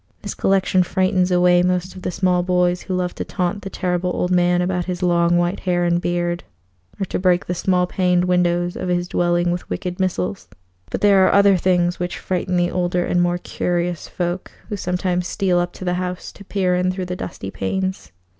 This collection frightens away most of the small boys who love to taunt the Terrible Old Man about his long white hair and beard, or to break the small paned windows of his dwelling with wicked missiles; but there are other things which frighten the older and more curious folk who sometimes steal up to the house to peer in through the dusty panes.